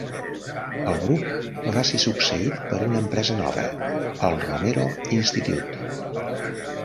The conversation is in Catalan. El grup va ser succeït per una empresa nova, el Romero Institute.